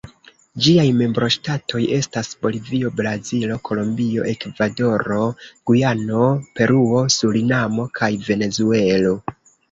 Ĝiaj membroŝtatoj estas Bolivio, Brazilo, Kolombio, Ekvadoro, Gujano, Peruo, Surinamo kaj Venezuelo.